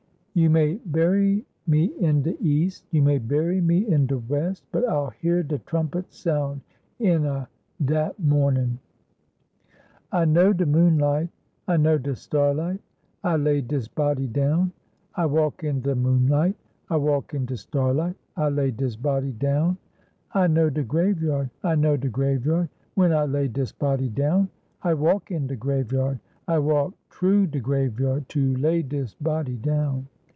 "You may bury me in de East, You may bury me in de West, But I'll hear de trumpet sound In a dat mornin'." "I know de moonlight, I know de starlight; I lay dis body down. I walk in de moonlight, I walk in de starlight; I lay dis body down. I know de graveyard, I know de graveyard, When I lay dis body down. I walk in de graveyard, I walk troo de graveyard To lay dis body down.